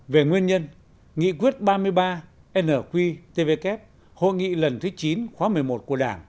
về nguyên nhân nghị quyết ba mươi ba nqtvk hội nghị lần thứ chín khóa một mươi một của đảng